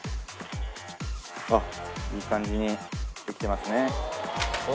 あっいい感じにできてますね。